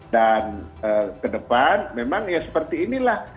dan ke depan memang ya seperti inilah